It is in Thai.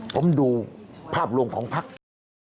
ผมดูภาพรวงของภักดิ์